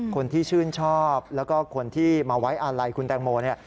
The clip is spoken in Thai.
คนที่ชื่นชอบแล้วก็คนที่มาไว้อาลัยคุณแตงโมเนี่ย